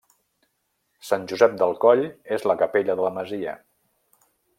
Sant Josep del Coll és la capella de la masia.